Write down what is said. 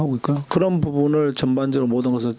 jadi kita harus berhati hati dalam permainan set piece